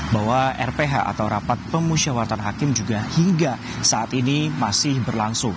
bahwa rph atau rapat pemusyawaratan hakim juga hingga saat ini masih berlangsung